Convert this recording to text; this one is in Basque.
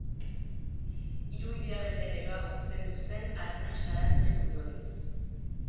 Hiru hilabete geroago zendu zen arnas arazoen ondorioz.